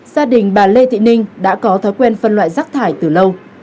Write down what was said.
gia đình bà lê thị ninh đã có thói quen phân loại rác thải từ lâu